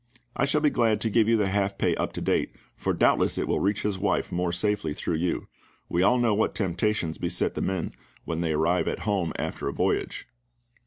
I shall be glad to give you the half pay up to date, for doubtless it will reach his wife more safely through you. We all know what temptations beset the men when they arrive at home after a voyage."